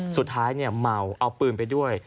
สุดท้ายเมาเอาปืนไปด้วย